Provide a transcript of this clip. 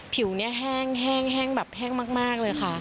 ผิวเนี่ยแห้งแบบแห้งมากเลยค่ะ